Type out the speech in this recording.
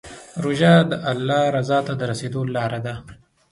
روژه د الله رضا ته د رسېدو لاره ده.